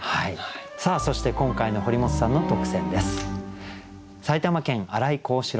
そして今回の堀本さんの特選です。